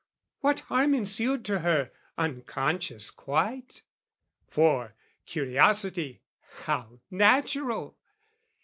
What harm ensued to her unconscious quite? For, curiosity how natural!